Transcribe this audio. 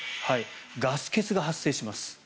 ガス欠が発生します。